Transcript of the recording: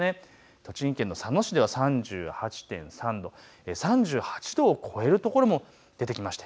栃木県佐野市では３８．３度、３８度を超えるところも出てきました。